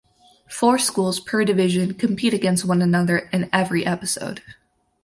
Four schools per division compete against one another in every episode.